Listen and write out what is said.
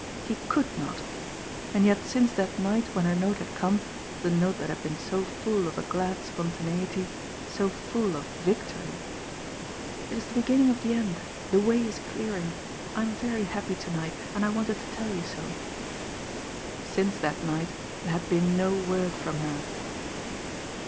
He could not! And yet since that night when her note had come, the note that had been so full of a glad spontaneity, so full of victory "It is the beginning of the end ... The way is clearing ... I am very happy tonight, and I wanted to tell you so" since that night there had been no word from her.